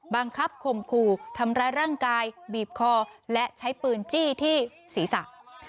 บังคับข่มขู่ทำร้ายร่างกายบีบคอและใช้ปืนจี้ที่ศีรษะ